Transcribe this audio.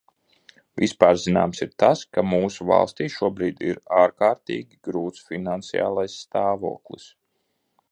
Vispārzināms ir tas, ka mūsu valstī šobrīd ir ārkārtīgi grūts finansiālais stāvoklis.